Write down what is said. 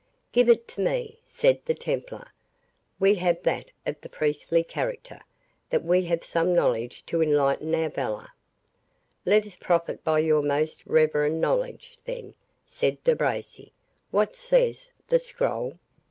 "Give it me," said the Templar. "We have that of the priestly character, that we have some knowledge to enlighten our valour." "Let us profit by your most reverend knowledge, then," said De Bracy; "what says the scroll?"